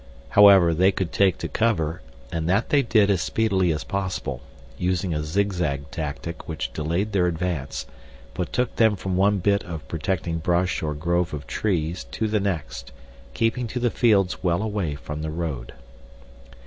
However, they could take to cover and that they did as speedily as possible, using a zigzag tactic which delayed their advance but took them from one bit of protecting brush or grove of trees to the next, keeping to the fields well away from the road.